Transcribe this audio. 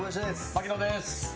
槙野です。